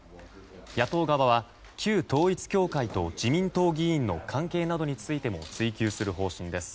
野党側は、旧統一教会と自民党議員の関係などについても追及する方針です。